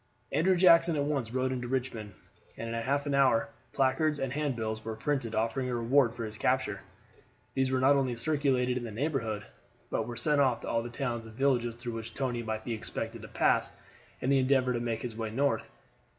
Andrew Jackson at once rode into Richmond, and in half an hour placards and handbills were printed offering a reward for his capture. These were not only circulated in the neighborhood, but were sent off to all the towns and villages through which Tony might be expected to pass in the endeavor to make his way north.